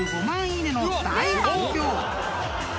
いいねの大反響］